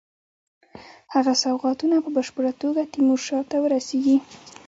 هغه سوغاتونه په بشپړه توګه تیمورشاه ته ورسیږي.